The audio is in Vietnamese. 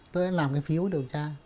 tôi đã làm cái phiếu điều tra